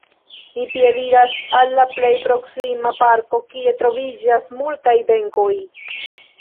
Mi piediras al la plej proksima parko, kie troviĝas multaj benkoj.